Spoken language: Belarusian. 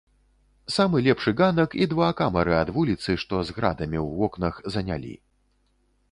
Самы лепшы ганак і два камары ад вуліцы, што з градамі ў вокнах, занялі.